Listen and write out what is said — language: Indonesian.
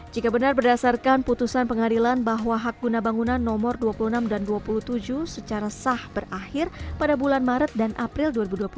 jika benar berdasarkan putusan pengadilan bahwa hak guna bangunan nomor dua puluh enam dan dua puluh tujuh secara sah berakhir pada bulan maret dan april dua ribu dua puluh tiga